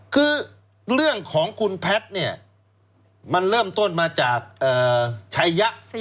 คือเรื่องของคุณพัทมันเริ่มต้นมาจากชัยะ